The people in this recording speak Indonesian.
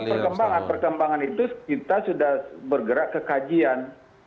perkembangan perkembangan itu kita sudah bergerak ke kajian